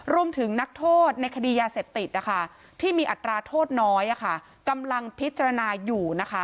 นักโทษในคดียาเสพติดที่มีอัตราโทษน้อยกำลังพิจารณาอยู่นะคะ